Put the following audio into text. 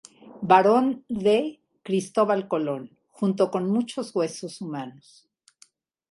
Varón D. Cristóbal Colón", junto con muchos huesos humanos.